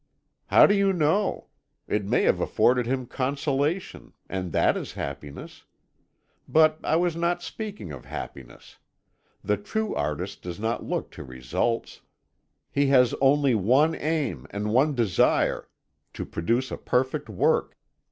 "How do you know? It may have afforded him consolation, and that is happiness. But I was not speaking of happiness. The true artist does not look to results. He has only one aim and one desire to produce a perfect work.